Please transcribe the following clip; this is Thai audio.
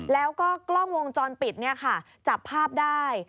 แล้วก็กล้องวงจรปิดจับภาพได้